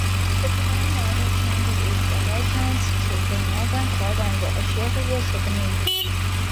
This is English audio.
The clan later changed its allegiance to the Northern Court and the Ashikaga shogunate.